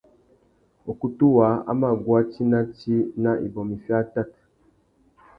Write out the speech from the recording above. Ukutu waā a mà guá tsi nà tsi nà ibômô iffê atát.